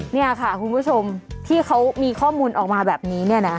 นี่ค่ะคุณผู้ชมที่เขามีข้อมูลออกมาแบบนี้เนี่ยนะ